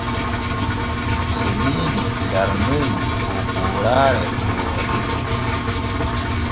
Seliini darnoy poopooraare no wooɗiri.